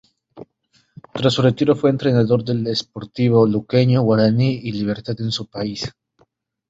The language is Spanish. Tras su retiro fue entrenador del Sportivo Luqueño, Guaraní y Libertad en su país.